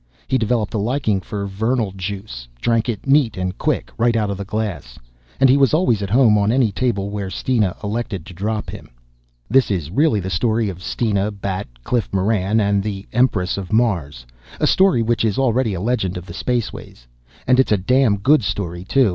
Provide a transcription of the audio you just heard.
He developed a liking for Vernal juice, drank it neat and quick, right out of a glass. And he was always at home on any table where Steena elected to drop him. This is really the story of Steena, Bat, Cliff Moran and the Empress of Mars, a story which is already a legend of the spaceways. And it's a damn good story too.